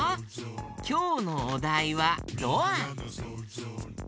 きょうのおだいはドア。